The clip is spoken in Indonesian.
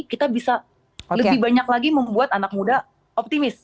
kita bisa lebih banyak lagi membuat anak muda optimis